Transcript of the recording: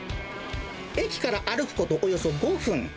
駅から歩くことおよそ５分。